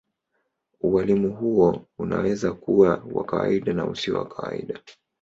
Ualimu huo unaweza kuwa wa kawaida na usio wa kawaida.